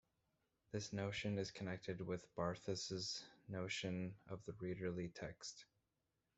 This notion is connected with Barthes' notion of the "readerly" text.